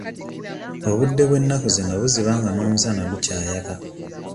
Obudde bw'ennaku zino buziba nga n'omusana gukyayaka.